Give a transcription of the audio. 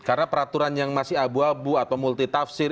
karena peraturan yang masih abu abu atau multi tafsir